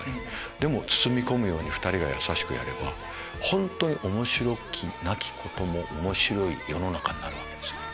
でも包み込むように２人が優しくやれば本当に面白きなきことも面白い世の中になるわけですよ